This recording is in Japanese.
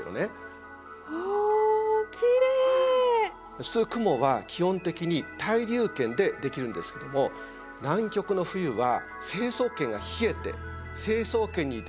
普通雲は基本的に対流圏でできるんですけども南極の冬は成層圏が冷えて成層圏にできた雲